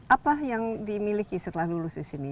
apa yang dimiliki setelah lulus di sini